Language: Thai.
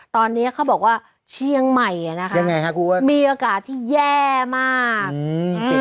ตอนนี้เขาบอกว่าเชียงใหม่อ่ะนะคะยังไงคะคุณอ้วนมีอากาศที่แย่มากอืม